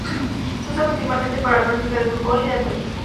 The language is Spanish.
Se usa principalmente para la práctica del fútbol y de atletismo.